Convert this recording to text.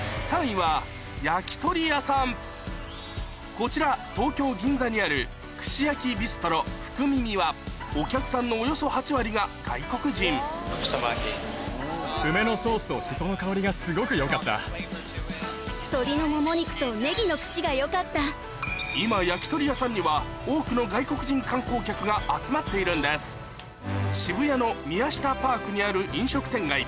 こちら東京・銀座にあるお客さんのおよそ８割が外国人今焼き鳥屋さんには多くの外国人観光客が集まっているんです渋谷の「ＭＩＹＡＳＨＩＴＡＰＡＲＫ」にある飲食店街